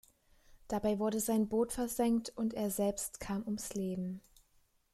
Dabei wurde sein Boot versenkt und er selbst kam ums Leben.